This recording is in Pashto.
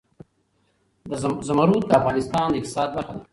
زمرد د افغانستان د اقتصاد برخه ده.